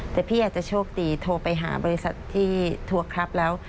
แต่พี่อาจจะโชคดีโทรไปหาบริษัทที่ทัวร์ครับแล้ว